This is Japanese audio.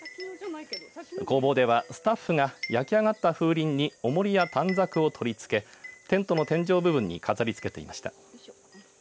工房ではスタッフが焼き上がった風鈴におもりや短冊を取り付けテントの天井部分に飾りつけていました。